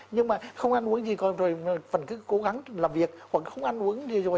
nhưng mà không ăn uống gì còn rồi vẫn cứ cố gắng làm việc hoặc không ăn uống đi rồi